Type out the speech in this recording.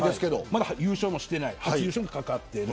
まだ優勝もしてなくて初優勝が懸かっている。